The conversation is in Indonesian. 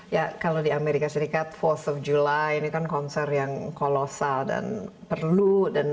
ya kalau di amerika serikat force of july ini kan konser yang kolosal dan perlu